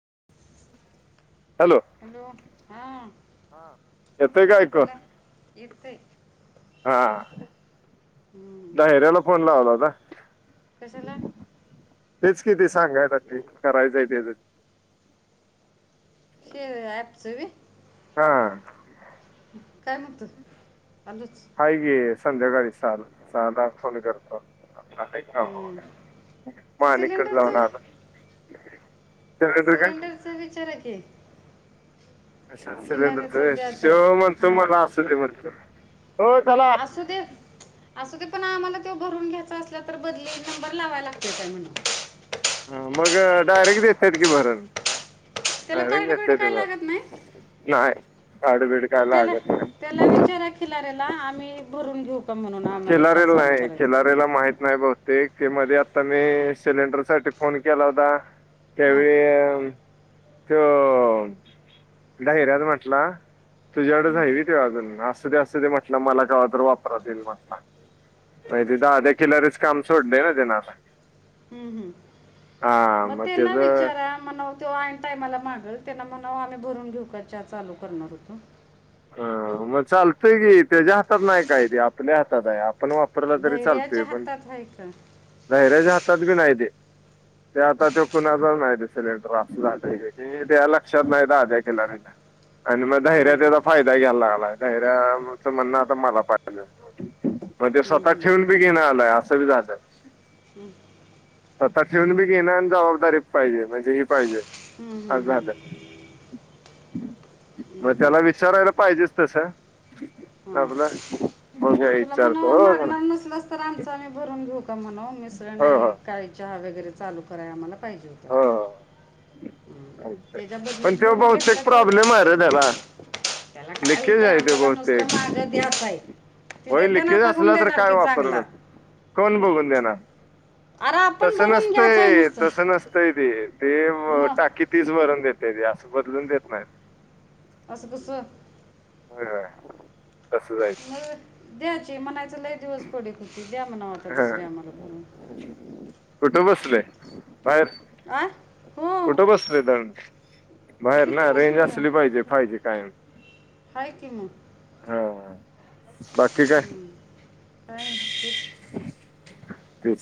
[inaudible] Hello, हा येतोय का ऐकून बोला एक ते हा, हम्म. धैर्याला फोन लावला काय? कशाला तेच कि ती सांगायसाठी करायचंय त्याच्या शेव एपचा वइ हा. काय म्हणतुस अलुच हाय की, संध्याकाळी, सहा सहा, सात, आठ फोन करता. हम्म. ते मानिककड जावून सिलेंडरचं आलो. सिलेंडरचा विचारा की अशा खिलाऱ्याचा सिलेंडरचं द्यायचा आहे शेव म्हणततोय हां मला असूदे म्हणतोय हो चला. असुदे पण आम्हाला ते भरून घ्यायचा असल्या तर बदली नंबर लावा लागतय म्हणून. हा मग डायरेक्ट देत्यात की भरून त्याला डायरेक्ट कार्ड बिर्ड भेटतो काय तेव्हा लागत नाही नाय मग त्याला, त्याला विचारा खिलार्याला आम्ही भरून घेऊ का म्हणून आम्हाला चा खिलारेला नाही, खिलाऱ्याला माहित नाही बघ ते की मध्ये आता मी सिलेंडर साठी फोन केला होता, हां त्यावेळी अ त्यो धैर्याच म्हटला तुझ्याकडच हम्म. हाई ते अजून, असूंदे असुंदे म्हटला मला कवा तर वापरात येईल म्हटला. नाहि ते दादा खिलारेच काम सोडलय ना तेन आता. हम्म हम्म,,,,,, हा मग तेना त्याचं विचारा मनाव तोऔन टायमाला मागलं,, त्यांना म्हणाव आम्ही भरून घेऊ का चा चालू करणार होतो,,, ह,,,, मग चालतंय की त्याच्या हातात नाही काय ति आपल्या हातात आहे,,, आपल्या,,, आपण वापरला तरी चालतोय,, धैर्याच्या पण हातात आहे का धैर्याच्या हातात बी नाही ते,,,, ते आता तो कुणाचा नाही ते सिलेंडर,,, ते लक्षात नाही दादा खिलऱ्याच्या,,,, आणि मग धैर्या बर तजा,,,, आलाय आलाय धैर्याचं म्हणण आता मला पाटवलेलं,,, मण तेे स्वतःत ठेवून बी घेण आलंय असं बी झालं [inaudible] हम्म [inaudible] ता ठेवून बी घेण्या जबाबदारी पाहिजे म्हणजे ही पाहिजे [inaudible] असं झालं हम्म हम्म हम् [inaudible] मग त्याला विचारायला पाहिजेच तसं [inaudible] हा आपलं बघूया तुला म्हण विचारतो हो मागणार नसलस तर आमच आम्ही भरून घेऊ [inaudible] म्हण मिसळ हो हो नाही काळी चहा वगैरे चालू कराय आम्हाला पाहिजे होत हो [inaudible] पण तेव्हा भरून बा ते घेतला तेवढं प्रॉब्लेम आहे रे त्याला [inaudible] त्याला काय लिकेज होतंय आहे आपल्याला नुसत माग द्याताय [inaudible] होईल कच असला तर काय वापर न कोण बघून देणार अरे [inaudible] आपण दसा भरून घ्यायचं आहे नस्तय नुसतं दसा नस्तय [inaudible] ते टाकी मग तीच भरून देत ते असं बदलून देत नाहीत [inaudible] अससं गुस [inaudible] होय हय [inaudible] म द्यायची म्हणायच ल एक दिवस पडे कुती [inaudible] उद्या म्हणा होता दुसऱ्या आ म्हाला भरून [inaudible] कुठुब असले बाहेर [inaudible] आह [inaudible] कुठं बसलंय कारण [inaudible] बाहेर ना हिथं रेंज बसलो या असली पाहिजे पाहिजे कायम [inaudible] हाय की मग हा बाकीच्या [inaudible] काय तेच [inaudible] ते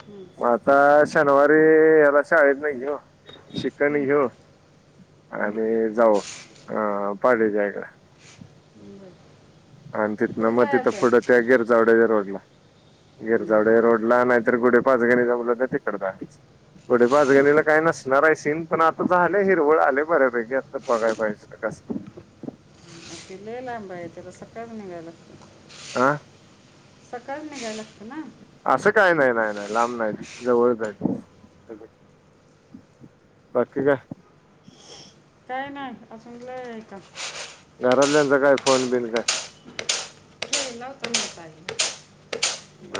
हम्म, मता [inaudible] शनिवारी याला शाळेत नाहीे [inaudible] चिकणी हम्म, घेऊ हम्म. आणि जाऊ अ पडेच्यायकड [inaudible] हम् [inaudible] अ तित न म तिथ पुोड त्यागेरत वड जर वाडला [inaudible] हम्म, हम्म. गिरजावडे रोड ला नाहीतर गुठे [inaudible] च गणी तिकडढे पाच गणीला काय नसणार आहे सीन पण आता झाले हिरवळ [inaudible] ले बरपैकीे असता बघाय पाहिजेस [inaudible] तिले लांबा आहे त्याला सकाळी निघालंला [inaudible] आा [inaudible] सकाळ नाही गला [inaudible] असं काही नाही नाही नाही [inaudible] लांब नाही जवळ बाकीकी काय [inaudible] काही नाही अस म्हलं का घरातल्यांचा [inaudible] फोन बिन का अ एला तमताले [inaudible] [inaudible] ब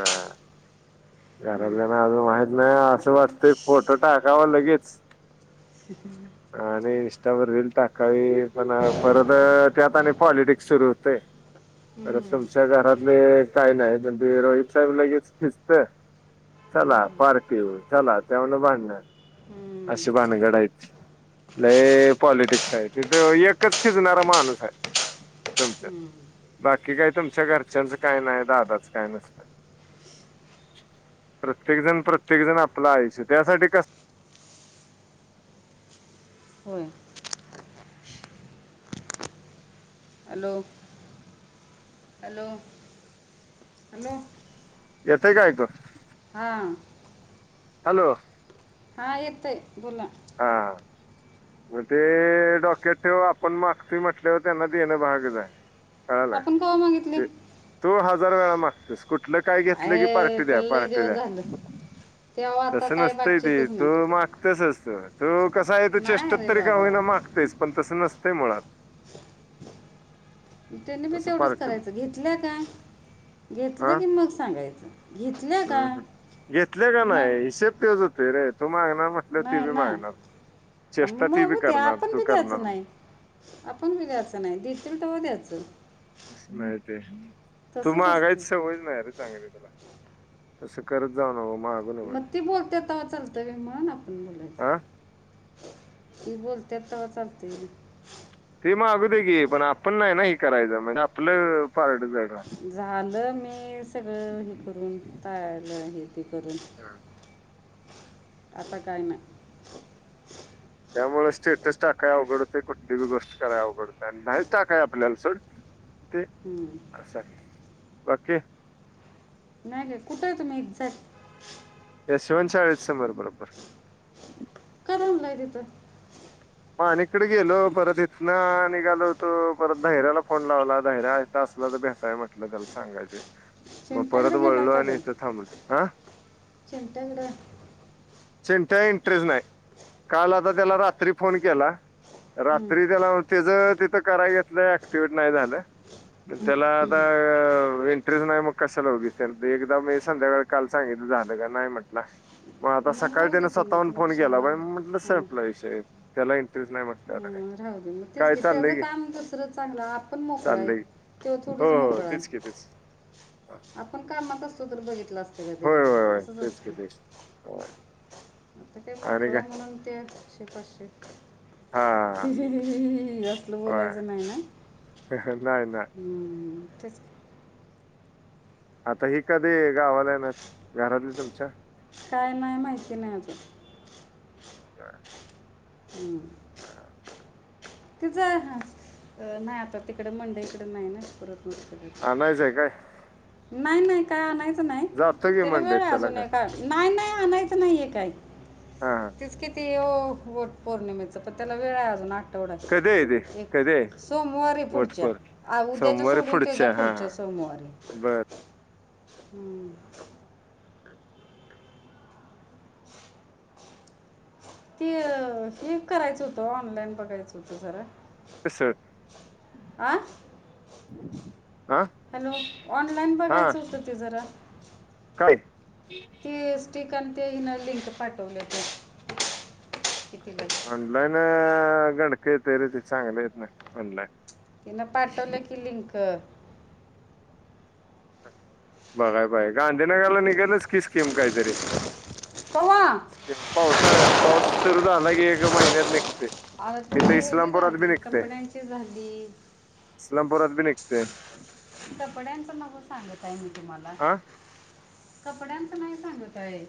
हम्म, घरातल्याना अजून माहित नाही अस वाटत फोटो टाकावा लगेच आणि [inaudible] त्यावर रल टाकावी पण परत त्यात आणि पॉलिटिक्स सुरू होते [inaudible] [inaudible] खरं हम्म, तुमच्या घरातले काही नाही पण तु रोहित साहेब लगेच खिचत [inaudible] चला हम्म, पारक येऊ चला त्यावन बांधण हम्म, असशी बाणगडायच [inaudible] पॉलिटिक्स हाय, तिथे एकच खिचणारा माणूस हाय. [inaudible] तुमच हम्म. बाकी काही तुमच्या घरच्यांचं काय नाही दादाचं काय नसत [inaudible] प्रत्येकजण प्रत्येक जण आपलं आयुष्य त्यासाठी कस [inaudible] होय. Hello [inaudible] [inaudible] hello hello. येतय का ऐकू. हा. हॅलो. हा येतय बोला. हा. मग ते डोक्यात ठेव आपण मागतो म्हटल्यावर त्यांना देणं भागच हाय. आपण कव्हा मागितलय? हजार वेळा मागतेस कुठलं काय घेतलं की आहे पार्टी द्या त्याला लय पार्टी दिवस द्या. झालं तेव्हा आता तसं काय नसतंय ते, बातचीतच तो नाही मागत्यासच तो कसा आहे, त चेष्टात नाही रे तरी का बाबा होईना मागतेस पण तस नसत ते मुळात त्यांनी मी तसं तेवढंच पार्टी करायचं घेतलं का घेतलं की मग सांगायचं. घेतल्या का हम् हम. घेतलय का नाही मग हिशेब तोच होतोय रे तू मागणार म्हंटल्यावर ते भी नाही ना मागणार. चेष्टा ती मग बी हो ते करणार आपण तू बी करणार द्यायचं मग नाही, आपण बी द्यायचं नाही दितील तवा द्यायच. माहती आहे तू तसंच असतं मागायची सवय नाही रे चांगली त्याला तसं करत जाऊ नको. मागू नको मग ती बोलते तेव्हा चालतय म्हणून आपण बोलायचं. हा ती बोलत्यात तवा चालतय. ते मागू दे की पण, आपण नाही ना हे करायच म्हणजे आपलं पारड जड राहतं झालं मी सगळं हे करून पाहिलं आहे ते करून हा. आता काय नाय. त्यामुळे स्टेटस टाकाय अवघड होतय, कुठली बी गोष्ट कराय अवघड होतय आणि नाहीच टाकाय आपल्याला सोड ते हम्म. अस बाकी नाही ग कुठं आहे तुम्ही एक्झॅक्ट यशवंत शाळेच्या समोर बरोबर का थांबलाय तिथं. मानीकडे गेलो, परत इथनं निघालो होतो, परत धैऱ्याला फोन लावला धैऱ्या इथं असल भेटाय म्हटलं त्याला सांगायच मग परत चिमट्याकडे गेला वळलो होता आणि काय इथ थांबलं हा चिमट्याकडे चिंता इंटरेस्ट नाही, काल आता त्याला रात्री फोन केला हम्म. रात्री त्याला त्याच तिथं कराय घेतलं ऍक्टिवेट नाही झालं हम्म. त्याला आता इंटरेस्ट नाही, मग कशाला उगीच, एकदा मी संध्याकाळ काल सांगितलं झालं का? नाही म्हटला. मग आता सकाळी राहू दे त्याने की मग स्वतःहून तुम्ही फोन कशाला केला, माग म्हटलं संपला विषय त्याला इंटरेस्ट नाही म्हटलं हम राहू दे मग तेच काय त्याचं चाललंय की काम दुसरं चांगलं आपण मोकळा हाय. चाललंय तो हो थोडीच हो मोकळ हाय, तेच की तेच आपण कामा आस बघितलं असत का होय होय त्याच्यावर होय असंच तेच की असतय. तेच होय. आता काय आणि मोकळा काय म्हणून तेचे पाचशे हा जास्त होय बोलायच नाही ना. नाही नाही हम्म तेच आता ही कधी गावाला येणार घरातली तुमच्या काय नाही माहिती नाही आजून बर हम. तिज हा आ नाही आता तिकड मंडई कडं नाई ना आता परत. आणायचं आहे काय नाही नाही काय आणा नाही जातो की त्याला वेळ मंडईत ये त्याला अजून काय एक आ नाही नाही आणायच नाहीेये काई हा हा तेच कि ती ओ पौर्णिमेचा पण त्याला वेळ ये अजून आ आठवडा कधी आहे ते कधी आहे एक सोमवारी पुढच्या वटपर आ उद्याच्या सोमवारी सोडून त्याच्या हा पुढच्या हा सोम हो अरे बर हुं. ती हे करायचं होतं ओ ऑनलाईन बघायचं होतं जरा. कस? आ हॅलो ऑनलाइन बघायचं होतं ते जरा काय? कोणत्या हीन लिंक पाठवल्या ते किती? ऑनलाईन गंडक येतेय रे ते चांगले येत नाही ऑनलाईन. तिनं पाठवल्या की लिंक. बघाय पाहिजे गांधीनगरला निघनचं कि स्कीम काहीतरी. कवा पावसाळ्यात पाऊस सुरू झाला की एक महिन्यात निघ अग तुझी हेजी झाली कपड्यांची झाली. इस्लामपुरात बी निघतयं. कपड्यांचं नको सांगत आहे मी तुम्हाला कपड्यांच नाही सांगत आहे.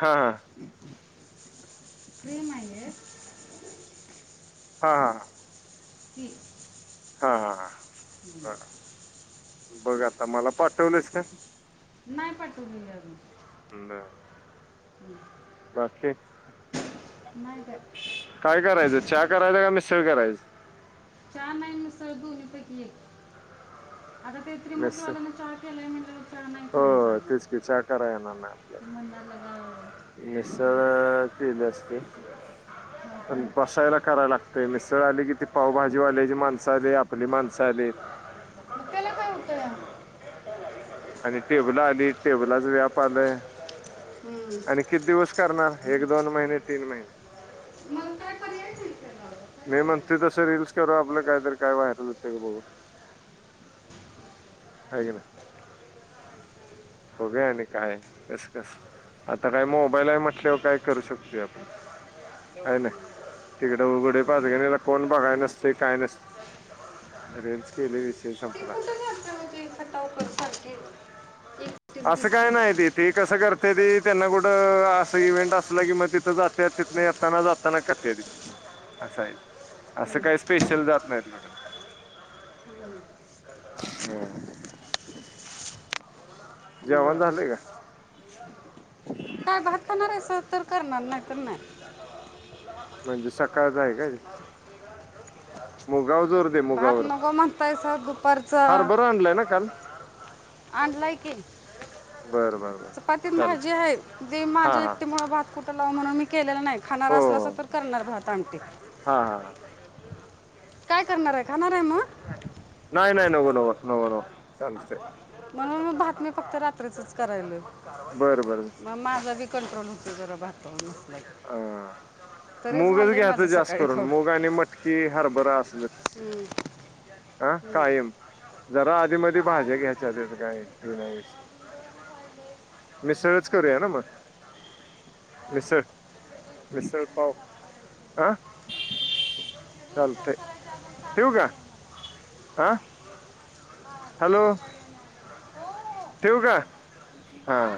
हा हा. फ्रेम हाय हे. हा हा. ती हा हा हम्म. हा बघ आता मला पाठवलयस का? नाही पाठवलेली अजून. हं बर. हम्म. बाकी नाही काय काय करायचं चहा करायचं का मिसळं करायच? चहा नाय मिसळ दोन्ही पैकी एक आता ते त्रिमुर्तीवाल्यानं चहा केलाय म्हण हो हो तेच की चहा कराय येणार नाही ते म्हणायला लागला, आपल्याला "अं, मिसळ केली असती हा, पण करतो." बसायला कराय लागतय मिसळ आली कि ती पावभाजी भाजीवाल्याची माणसं आली, आपली माणसं आली. मग त्याला काय होतं [inaudible] आणि टेबल आली टेबलाच व्याप आलंय हम्म. आणि किती दिवस करणार एक दोन महिने, तीन महिने. मग काय पर्याय नाही त्याला. काय मी म्हणतोय करायचं? तसं रील्स करू आपलं कायतरी काय व्हायरल होतंय का बघू. हाय की नाय. बघूया आणि काय कसं कसं. आता काय मोबाईल आहे म्हटल्यावर काय करू शकतोय आपण हाय नाय तिकडे उघडे पाघडे तेला कोण बघाय नसतयं काय नस रिल्स केले विषय ती संपला. कुठं जाते म्हणजे खटाव कर सारखी एकटीच असं काय दिसती नाही त ते कसं करत्याती त्यांना कुठं असं इव्हेंट असलं की मग तिथं जात्यात. तिथनं येताना जाताना करत्याती. असं आहे असं काही स्पेशल जात नाही तिकडं. हम. जेवाण बर बर झालंय का? काय भात खाणार हायसा तर करणार नाय तर नाय. म्हणजे सकाळचा हाय काय? मुगावरं जोर दे मुगावर पैसा दुपारचं हारभर आणलाय ना काल आणलाय की, बरं बरं बर चपाती न चालत भाजी आहे दे हा माझ्या हा एकटी मुळ भात कुठं लाऊ म्हणून मी केल केलेला नाही खाणार हो असलासा हो तर करणार भात आमटी. हा हा काय करणार हाय खाणार हाय म? नाही नाही नवो रस्त्यावर नवो नवो नवो गटारी चालतंय अथवा इतर म्हणून म भात नाय फक्त रात्रीचंच करायलोय. बरं बरं म माझा बी कंट्रोल होतो जरा भातवर नसला की तरी मूगचं झालंय घ्यायचं माझं जास्त सकाळी करून मुग आणि मटकी हरभरा असलचं. खाऊन हं कायम जरा आधी मध भाज्या घ्यायच्या त्यांच काय ये नाहीस. मिसळच करूया ना म. मिसल मिसल पाव आं चालतय ठेवू का हा हॅलो ठेऊ का हा